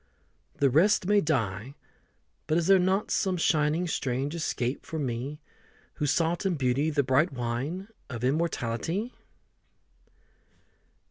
The rest may die but is there not Some shining strange escape for me Who sought in Beauty the bright wine Of immortality?